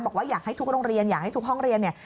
บอกว่าอยากให้ทุกโรงเรียนอยากให้ทุกห้องเรียนเนี่ย